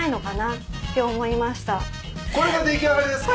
これが出来上がりですか？